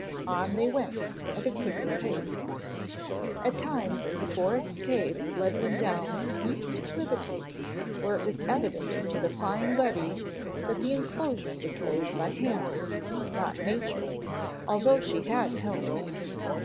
On they went at a quicker pace. At times the forest cave lead them down steep declivities where it was evident to the Flying Buddies that the enclosure was made by hand, not nature, although she had helped.